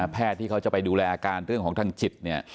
ที่เขาจะไปดูแลอาการเรื่องของทางจิตเนี่ย